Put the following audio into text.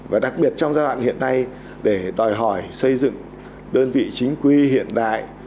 và đặc biệt trong giai đoạn hiện nay để đòi hỏi xây dựng đơn vị chính quy hiện đại